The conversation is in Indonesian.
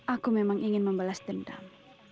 aku memang ingin membalas dendam